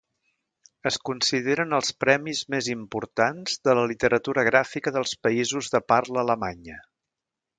Es consideren els premis més importants de la literatura gràfica dels països de parla alemanya.